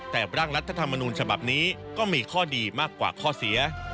แต่ร่างรัฐธรรมนูญฉบับนี้ก็มีข้อดีมากกว่าข้อเสีย